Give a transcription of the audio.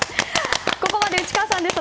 ここまで内川さんでした。